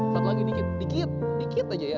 flat lagi dikit dikit dikit aja ya